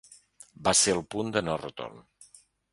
Va ser el punt de no-retorn.